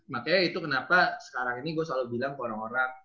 makanya itu kenapa sekarang ini gue selalu bilang ke orang orang